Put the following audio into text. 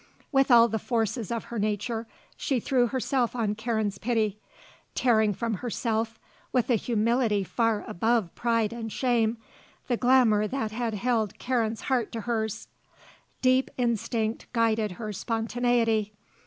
With all the forces of her nature she threw herself on Karen's pity, tearing from herself, with a humility far above pride and shame, the glamour that had held Karen's heart to hers. Deep instinct guided her spontaneity.